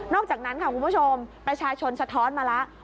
อกจากนั้นค่ะคุณผู้ชมประชาชนสะท้อนมาแล้ว